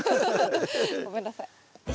ごめんなさい。